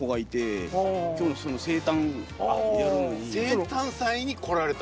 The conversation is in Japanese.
生誕祭に来られた。